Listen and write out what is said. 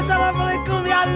assalamualaikum ya allah